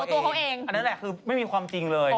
อันนั้นแหละคือไม่มีความจริงเลย